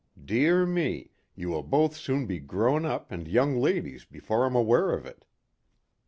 Dear me, you will both soon be grown up and young ladies before I'm aware of it."